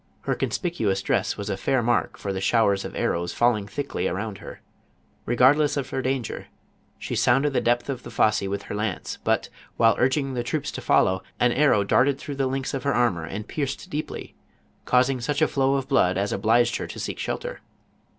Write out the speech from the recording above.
Her conspicuous dress, was a fair mark for the showers of arrows falling thickly 170 JOAN OF ARC. around her; regardless of her danger, she sounded the depth of the fosse with her lance, but, while urging the troops to follow, an arrow darted through the links of her armor, and pierced deeply, causing such a flow of blood as obliged her to seek shelter.